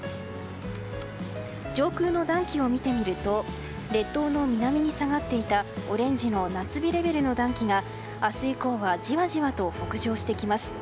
上空の暖気を見てみると列島の南に下がっていたオレンジの夏日レベルの暖気が明日以降はじわじわと北上してきます。